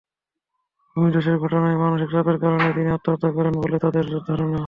ভূমিধসের ঘটনায় মানসিক চাপের কারণে তিনি আত্মহত্যা করেন বলে তাদের ধারণা।